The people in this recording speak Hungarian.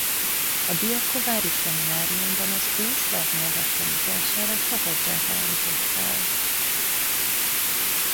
A diakovári szemináriumban az ó-szláv nyelvek tanítására katedrát állított fel.